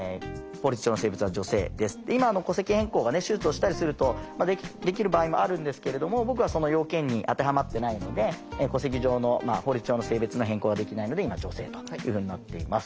今戸籍変更が手術をしたりするとできる場合もあるんですけれども僕はその要件に当てはまってないので戸籍上の法律上の性別の変更はできないので今女性というふうになっています。